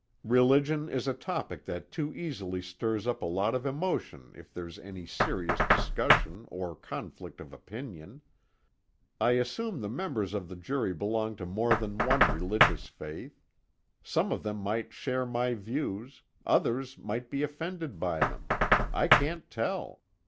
Religion is a topic that too easily stirs up a lot of emotion if there's any serious discussion or conflict of opinion. I assume the members of the jury belong to more than one religious faith. Some of them might share my views, others might be offended by them I can't tell.